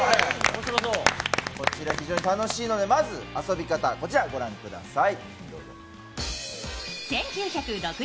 こちら非常に楽しいのでまず遊び方、こちらご覧ください。